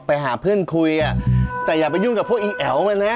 ไปหาเพื่อนคุยอ่ะแต่อย่าไปยุ่งกับพวกอีแอ๋วมันนะ